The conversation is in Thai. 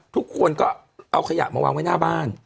ทุกคนก็เอาขยะมาวางไว้หน้าบ้าน